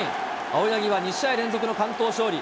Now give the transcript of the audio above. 青柳は２試合連続の完投勝利。